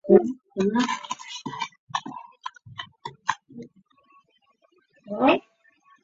奥托米人是墨西哥第五大原住民。